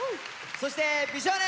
そして美少年！